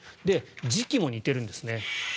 で、時期も似てるんですね。